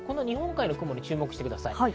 日本海の雲に注目してください。